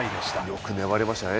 よく粘りましたね